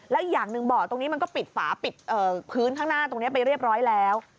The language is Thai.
แล้วอีกอย่างหนึ่งบ่อตรงนี้มันก็ปิดฝาปิดพื้นข้างหน้าตรงนี้ไปเรียบร้อยแล้ว